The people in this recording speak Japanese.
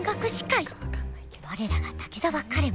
我らが滝沢カレン